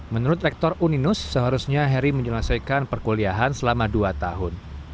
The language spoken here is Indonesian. menurut rektor uninus seharusnya heri menyelesaikan perkuliahan selama dua tahun